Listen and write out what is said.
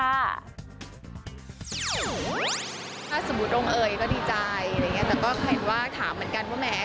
ถ้าสมมติโรงเอ๋ยก็ดีใจแต่ใครว่าถามเหมือนกันว่าแหม